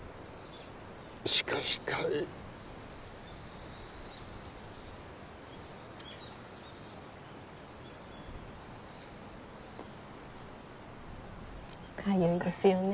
しかしかゆいかゆいですよね